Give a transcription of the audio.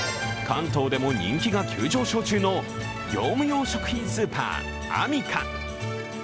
関東でも人気が急上昇中の業務用食品スーパー、アミカ。